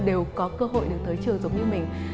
đều có cơ hội được tới trường giống như mình